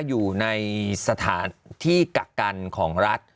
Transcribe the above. อยู่ในสถานที่กักกันของรัฐ